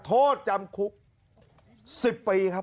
โทษจำคุก๑๐ปีครับ